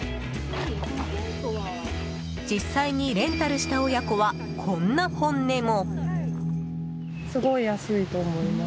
実際にレンタルした親子はこんな本音も。